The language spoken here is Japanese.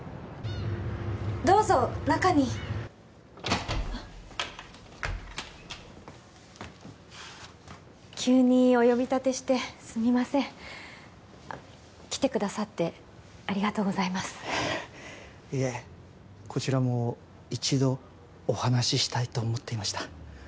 どうぞ中に急にお呼び立てしてすみません来てくださってありがとうございますいえこちらも一度お話ししたいと思っていました